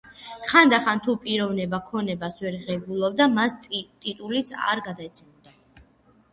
ხანდახან თუ პიროვნება ქონებას ვერ ღებულობდა მას ტიტულიც არ გადაეცემოდა.